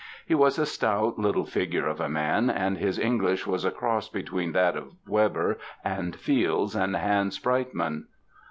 He was a stout, little fig ure of a man, and his English was a cross between that of Weber and Fields and Hans Breitmann.